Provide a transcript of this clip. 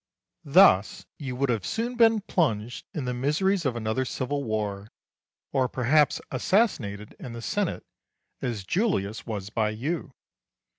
Thus you would have soon been plunged in the miseries of another civil war, or perhaps assassinated in the Senate, as Julius was by you.